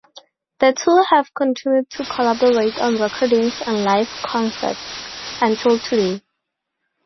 The two have continued to collaborate on recordings and live concerts until today.